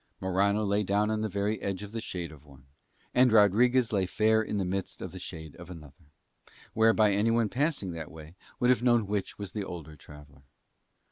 Morano lay down on the very edge of the shade of one, and Rodriguez lay fair in the midst of the shade of another, whereby anyone passing that way would have known which was the older traveller.